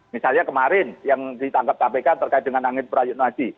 misalnya kemarin yang ditangkap kpk terkait dengan anggit perajunwaji